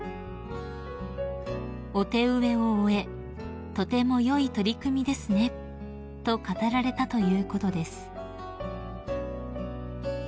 ［お手植えを終え「とても良い取り組みですね」と語られたということです］